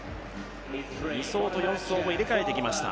２走と４走を入れ替えてきました。